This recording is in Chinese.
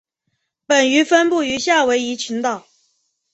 本鱼分布于夏威夷群岛。